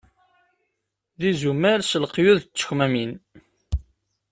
D izumal s leqyud d tekmamin!